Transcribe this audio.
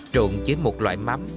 trộn với một loại mắm